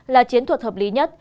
là chiến thuật hợp lý nhất